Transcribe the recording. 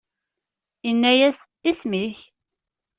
Inna-yas: Isem-ik?